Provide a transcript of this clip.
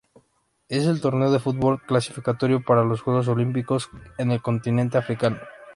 Es el torneo de fútbol clasificatorio para los Juegos Olímpicos en el continente africano.